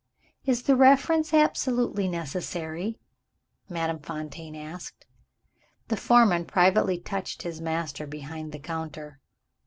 "Is the reference absolutely necessary?" Madame Fontaine asked. The foreman privately touched his master behind the counter.